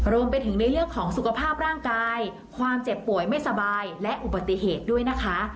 รวมไปถึงในเรื่องของสุขภาพร่างกายความเจ็บป่วยไม่สบายและอุบัติเหตุด้วยนะคะ